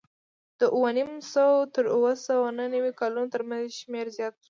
د اوه نیم سوه تر اوه سوه نهه نوې کلونو ترمنځ شمېر زیات شو